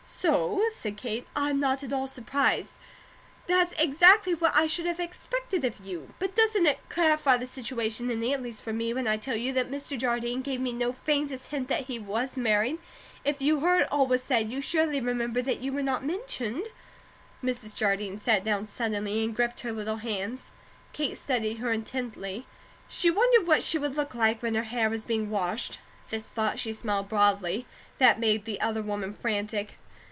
"So?" said Kate. "I'm not at all surprised. That's exactly what I should have expected of you. But doesn't it clarify the situation any, at least for me, when I tell you that Mr. Jardine gave me no faintest hint that he was married? If you heard all we said, you surely remember that you were not mentioned?" Mrs. Jardine sat down suddenly and gripped her little hands. Kate studied her intently. She wondered what she would look like when her hair was being washed; at this thought she smiled broadly. That made the other woman frantic.